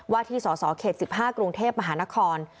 วัฒนีสอสเขจ๑๕กรุงเทพฯมหาคร